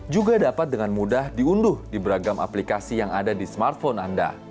juga dapat dengan mudah diunduh di beragam aplikasi yang ada di smartphone anda